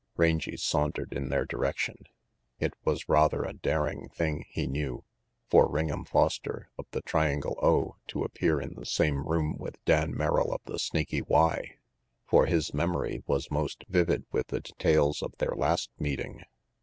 Rangy sauntered in their direction. It was rather a daring thing, he knew, for Ring'em Foster of the Triangle O to appear in the same room with Dan Merrill of the Snaky Y, for his memory was most vivid with the details of their last meeting.